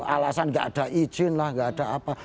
alasan gak ada izin lah nggak ada apa